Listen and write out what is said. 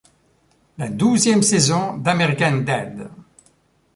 La douzième saison dAmerican Dad!